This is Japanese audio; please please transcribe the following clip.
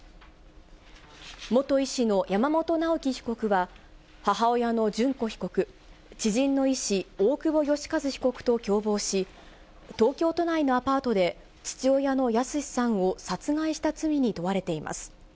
元医師の山本直樹被告は、母親の淳子被告、知人の医師、大久保愉一被告と共謀し、東京都内のアパートで、父親の靖さんを殺害した罪に問われています。